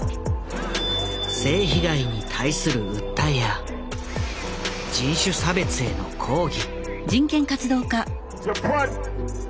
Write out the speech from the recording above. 性被害に対する訴えや人種差別への抗議。